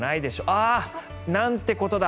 ああ、なんてことだ！